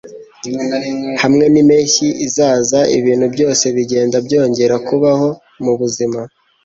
Hamwe nimpeshyi izaza, ibintu byose bigenda byongera kubaho mubuzima.